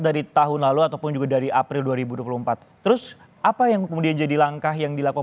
dari tahun lalu ataupun juga dari april dua ribu dua puluh empat terus apa yang kemudian jadi langkah yang dilakukan